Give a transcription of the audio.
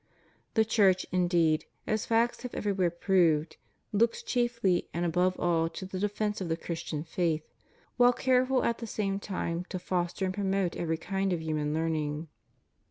The Church, indeed — as facts have everywhere proved — looks chiefly and above all to the defence of the Christian faith, while careful at the same time to foster and promote every kind of human learning.